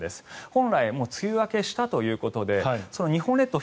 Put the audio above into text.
本来、梅雨明けしたということでその日本列島